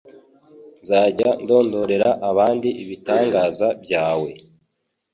Nzajya ndondorera abandi ibitangaza byawe